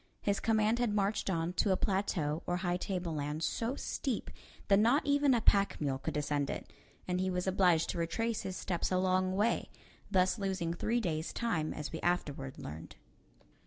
His command had marched on to a plateau or high tableland so steep that not even a pack mule could descend it, and he was obliged to retrace his steps a long way, thus losing three days' time, as we afterward learned.